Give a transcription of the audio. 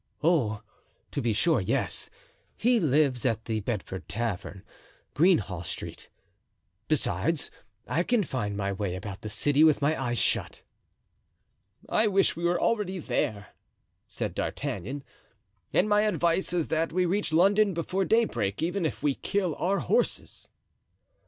"Oh! to be sure, yes. He lives at the Bedford Tavern, Greenhall Street. Besides, I can find my way about the city with my eyes shut." "I wish we were already there," said D'Artagnan; "and my advice is that we reach London before daybreak, even if we kill our horses."